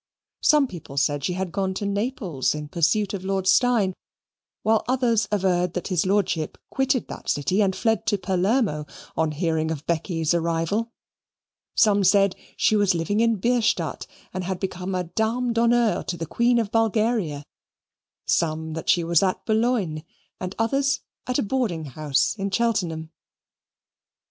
Some people said she had gone to Naples in pursuit of Lord Steyne, whilst others averred that his Lordship quitted that city and fled to Palermo on hearing of Becky's arrival; some said she was living in Bierstadt, and had become a dame d'honneur to the Queen of Bulgaria; some that she was at Boulogne; and others, at a boarding house at Cheltenham.